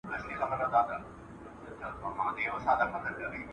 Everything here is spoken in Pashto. پر ما غټ دي د مُلا اوږده بوټونه !.